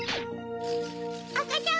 あかちゃん